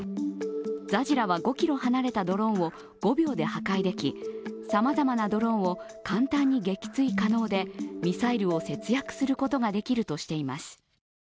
ザジラは５ｋｍ離れたドローンを撃破できさまざまなドローンを簡単に撃墜可能でミサイルを節約することができるとしています。